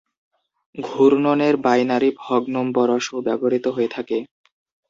ঘূর্ণনের বাইনারি ভগ্নম্বরশও ব্যবহৃত হয়ে থাকে।